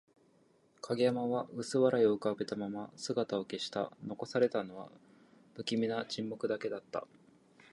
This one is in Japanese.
影山は薄笑いを浮かべたまま姿を消した。残されたのは、不気味な沈黙だけだった。